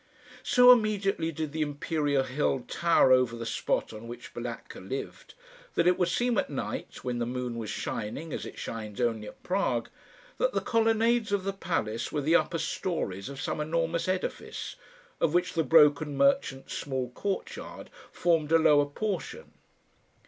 So immediately did the imperial hill tower over the spot on which Balatka lived, that it would seem at night, when the moon was shining as it shines only at Prague, that the colonnades of the palace were the upper storeys of some enormous edifice, of which the broken merchant's small courtyard formed a lower portion.